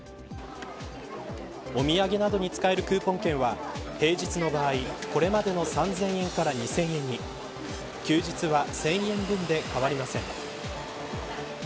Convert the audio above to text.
お土産などに使えるクーポン券は平日の場合、これまでの３０００円から２０００円に休日は１０００円分で変わりません。